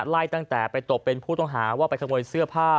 ไล่ตั้งแต่ไปตกเป็นผู้ต้องหาว่าไปขโมยเสื้อผ้า